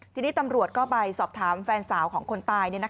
ทีนี้ตำรวจก็ไปสอบถามแฟนสาวของคนตาย